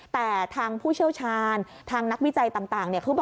แต่ทางผู้เชี่ยวชาญทางนักวิจัยต่าง